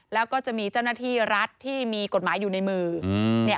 แล้วก็จะมีเจ้าหน้าที่รัฐที่มีกฎหมายอยู่ในมือ